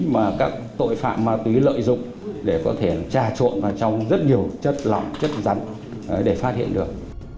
mà các tội phạm ma túy lợi dụng để có thể trà trộn vào trong rất nhiều chất lỏng chất rắn để phát hiện được